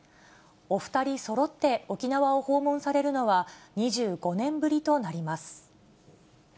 お２人そろって沖縄を訪問されるのは、２５年ぶりとなります。